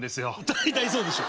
大体そうでしょ。